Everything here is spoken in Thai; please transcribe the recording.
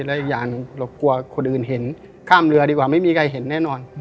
และอีกอย่างเรากลัวคนอื่นเห็นข้ามเรือดีกว่าไม่มีใครเห็นแน่นอน